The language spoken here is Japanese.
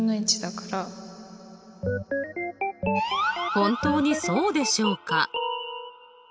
本当にそうでしょうか？